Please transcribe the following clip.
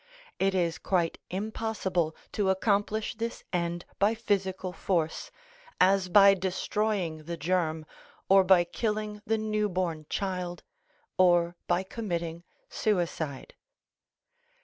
It is quite impossible to accomplish this end by physical force, as by destroying the germ, or by killing the new born child, or by committing suicide.